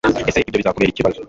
Ese ibyo bizakubera ikibazo